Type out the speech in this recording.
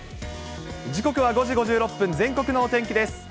時刻は５時５６分、全国のお天気です。